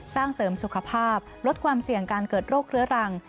สร้างเสริมสุขภาพลดความเสี่ยงการเกิดโรคเรื้อรัง